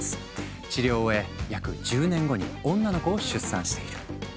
治療を終え約１０年後に女の子を出産している。